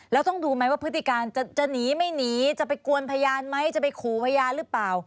แล้วต้องดูไหมว่าพฤติการจะหนีไม่หนีจะไปกวนพยานไหมจะไปขู่พยานหรือเปล่า